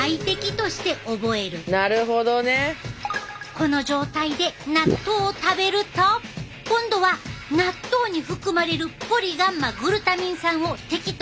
この状態で納豆を食べると今度は納豆に含まれるポリガンマグルタミン酸を敵と判断！